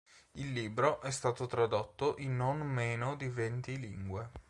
Il libro è stato tradotto in non meno di venti lingue.